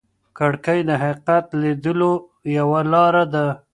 کړکۍ د حقیقت لیدلو یوه لاره ده.